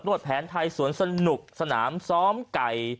วดแผนไทยสวนสนุกสนามซ้อมไก่